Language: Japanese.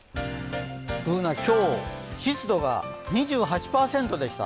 Ｂｏｏｎａ、今日湿度が２８％でした。